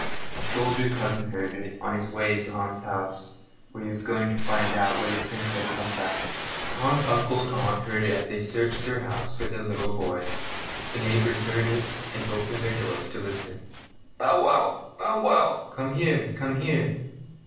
The soldier cousin heard it, on his way to Hans's house, where he was going to find out whether Prince had come back. Hans's uncle and aunt heard it as they searched through the house for their little boy. The neighbours heard it, and opened their doors to listen. "Bow wow! Bow wow! Come here! Come here!"